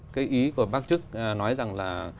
cái ý của bác trức nói rằng là